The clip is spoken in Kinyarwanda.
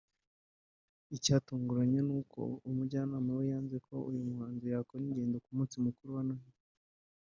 Icyatunguranye ni uko umujyanama we yanze ko uyu muhanzi yakora ingendo ku munsi mukuru wa Noheli